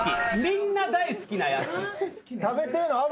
みんな大好きなやつ。